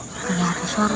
ustaz lu sana bencana